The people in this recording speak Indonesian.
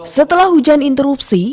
setelah hujan interupsi